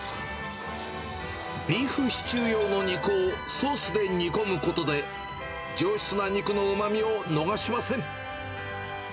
ビーフシチュー用の肉をソースで煮込むことで、上質な肉のうまみを逃しません。